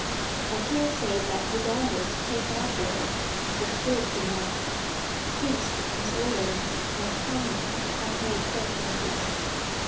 'I can't say that her daughters take after her,' Mrs. Hood remarked, soothed, as always, by comment upon her acquaintances.